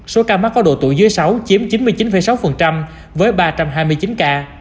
số ca mắc có độ tuổi dưới sáu chiếm chín mươi chín sáu với ba trăm hai mươi chín ca